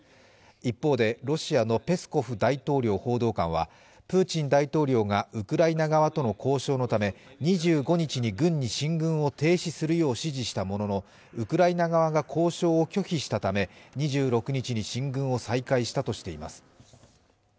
一方で、ロシアのペスコフ大統領報道官はプーチン大統領がウクライナ側との交渉のため、２５日に軍に進軍を停止するよう指示したもののウクライナ側が交渉を拒否したため２６日に進軍を再開したとしています。